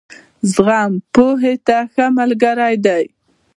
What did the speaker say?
زغم، پوهې ته ښه ملګری دی.